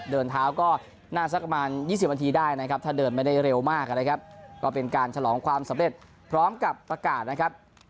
เดินเท้าก็น่าสักประมาณ๒๐นาทีได้นะครับถ้าเดินไม่ได้เร็วมากนะครับก็เป็นการฉลองความสำเร็จพร้อมกับประกาศนะครับ